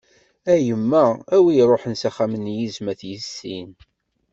A yemma, a wi ṛuḥen s axxam n yizem ad t-yissin.